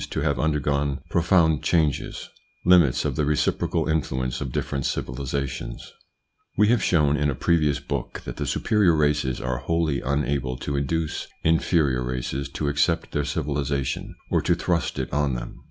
to have undergone pro found changes Limits of the reciprocal influence of different civilisations. "\~\ 7 E have shown in a previous book that the superior races are wholly unable to induce inferior races to accept their civilisation or to thrust it on them.